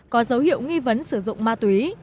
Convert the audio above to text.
có dấu hiệu nghi vấn sử dụng ma túy